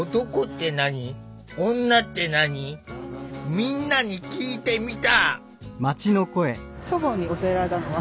みんなに聞いてみた。